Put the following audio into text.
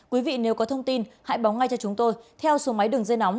quý vị nếu có thông tin hãy báo ngay cho chúng tôi theo số máy đường dây nóng